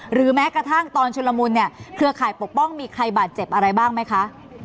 หรือแม้กระทั่งตอนชุลมุนเนี่ยเครือข่ายปกป้องมีใครบาดเจ็บอะไรบ้างไหมคะ